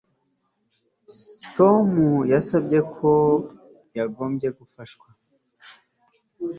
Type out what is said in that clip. Tom yavuze ko yasabwe gufasha